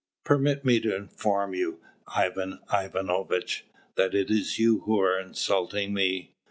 "Permit me to inform you, Ivan Ivanovitch, that it is you who are insulting me.